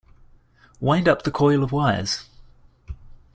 Wind up the coil of wires.